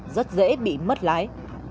rất dễ bị mất lái